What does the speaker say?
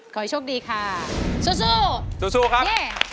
ขอให้โชคดีค่ะสู้ครับ